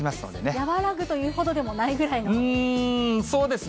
和らぐというほどでもないぐうーん、そうですね。